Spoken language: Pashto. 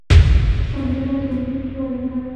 سندره د وجد وده ده